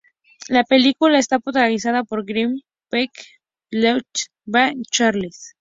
La película está protagonizada por Gregory Peck, Ann Todd, Alida Valli y Charles Laughton.